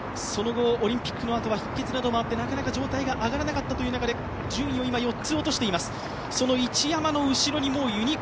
その後、オリンピックのあとは貧血などもあって、なかなか状態が上がらなかったということで順位を今４つ落としています。